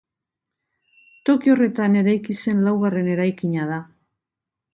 Toki horretan eraiki zen laugarren eraikina da.